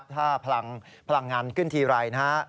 ถ้าพลังงานขึ้นทีไร